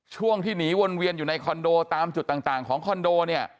ช่วงที่หนีวนเวียนอยู่ในคอนโดตามจุดต่างของคอนโดเนี่ย